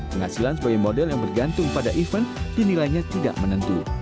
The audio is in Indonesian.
penghasilan sebagai model yang bergantung pada event dinilainya tidak menentu